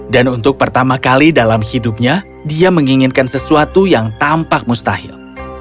dan untuk pertama kali dalam hidupnya dia menginginkan sesuatu yang tampak mustahil